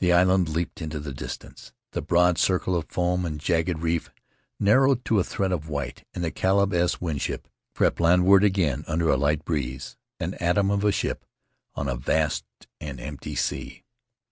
The island leaped into the distance; the broad circle of foam and jagged reef narrowed to a thread of white, and the Caleb S, Winship crept land ward again under a light breeze, an atom of a ship on a vast and empty sea.